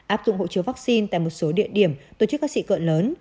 áp dụng hộ chiếu vaccine tại một số địa điểm tổ chức các sự cận lớn